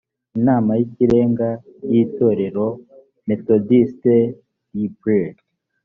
inama y ikirenga y itorero m thodiste libre